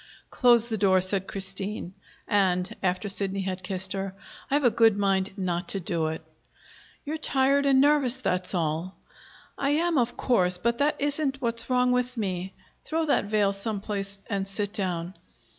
"Close the door," said Christine. And, after Sidney had kissed her: "I've a good mind not to do it." "You're tired and nervous, that's all." "I am, of course. But that isn't what's wrong with me. Throw that veil some place and sit down."